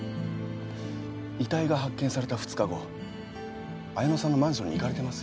遺体が発見された２日後綾野さんのマンションに行かれてますよね？